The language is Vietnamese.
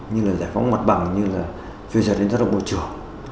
như là giải phóng mặt bằng như là phiêu dật đến tác động môi trường